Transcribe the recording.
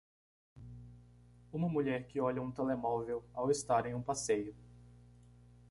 Uma mulher que olha um telemóvel ao estar em um passeio.